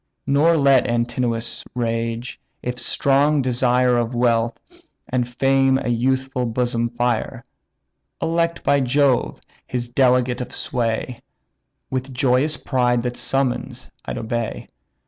Nor let Antinous rage, if strong desire Of wealth and fame a youthful bosom fire: Elect by Jove, his delegate of sway, With joyous pride the summons I'd obey.